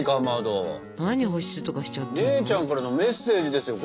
姉ちゃんからのメッセージですよ。